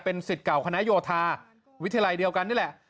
สิทธิ์เก่าคณะโยธาวิทยาลัยเดียวกันนี่แหละ